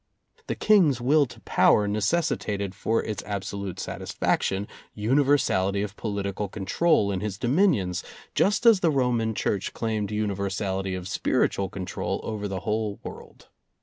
The King's will to power necessitated for its abso lute satisfaction universality of political control in his dominions, just as the Roman Church claimed universality of spiritual control over the whole world.